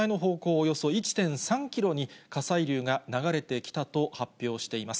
およそ１．３キロに火砕流が流れてきたと発表しています。